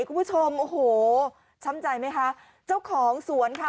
คุณผู้ชมโอ้โหช้ำใจไหมคะเจ้าของสวนค่ะ